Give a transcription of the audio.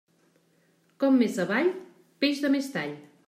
Com més avall, peix de més tall.